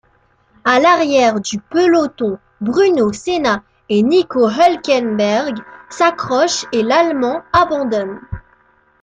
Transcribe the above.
À l'arrière du peloton, Bruno Senna et Nico Hülkenberg s'accrochent et l'Allemand abandonne.